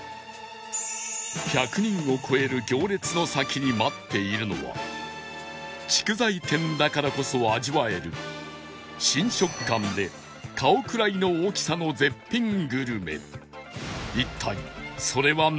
１００人を超える行列の先に待っているのは竹材店だからこそ味わえる新食感で顔くらいの大きさの絶品グルメ